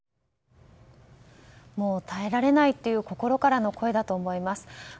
もう耐えられないという心からの声だと思います。